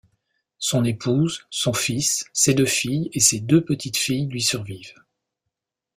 Son épouse, son fils, ses deux filles et ses deux petites-filles lui survivent.